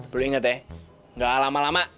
perlu inget ya gak lama lama